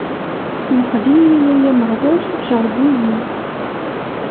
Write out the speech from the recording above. Senqed-iyi, ay Ameɣlal, jeṛṛeb-iyi.